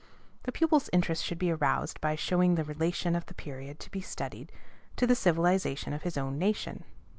The pupil's interest should be aroused by showing the relation of the period to be studied to the civilization of his own nation.